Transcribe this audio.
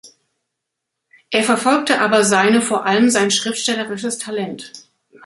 Er verfolgte aber seine vor allem sein schriftstellerisches Talent.